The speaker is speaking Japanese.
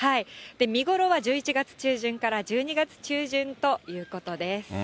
見頃は１１月中旬から１２月中旬ということです。